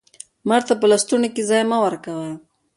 مار ته په لستوڼي کښي ځای مه ورکوه